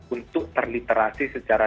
untuk terliterasi secara